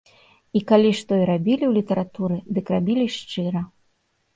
І калі што і рабілі ў літаратуры, дык рабілі шчыра.